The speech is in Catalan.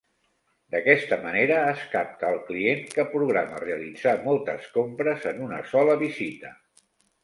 D'aquesta manera, es capta al client que programa realitzar moltes compres en una sola visita.